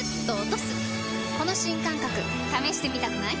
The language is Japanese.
この新感覚試してみたくない？